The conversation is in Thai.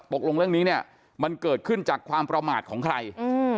ตกลงเรื่องนี้เนี่ยมันเกิดขึ้นจากความประมาทของใคร